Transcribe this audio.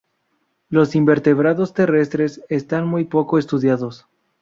Los invertebrados terrestres están muy poco estudiados.